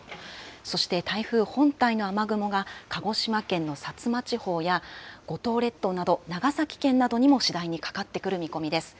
そして台風本体の雨雲が、鹿児島県の薩摩地方や、五島列島など、長崎県などにも次第にかかってくる見込みです。